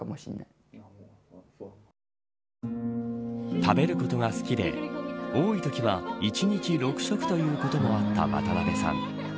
食べることが好きで多いときは１日６食ということもあった渡辺さん。